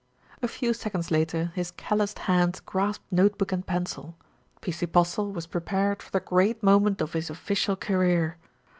A few seconds later his calloused hands grasped note book and pencil P.C. Postle was prepared for the great moment of his official career.